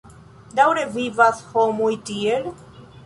Daŭre vivas homoj tiel?